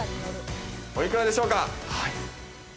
お幾らでしょうか？